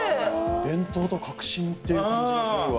伝統と革新っていう感じがするわ。